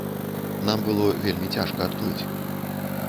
Нам было вельмі цяжка адплыць.